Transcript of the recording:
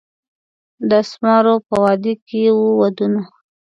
د اسمارو په وادي کښي وو ودونه